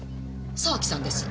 沢木さんです。